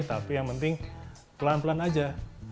tapi yang penting pelan pelan aja